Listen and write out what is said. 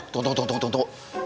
tunggu tunggu tunggu